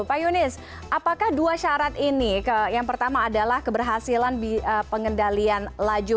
pak yunis apakah dua syarat ini yang pertama adalah keberhasilan pengendalian laju